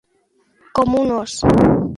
Com un ós.